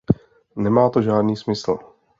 Nemá to žádný smysl!